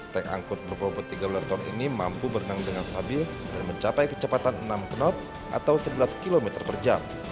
tank angkut berbobot tiga belas ton ini mampu berenang dengan stabil dan mencapai kecepatan enam knot atau sebelas km per jam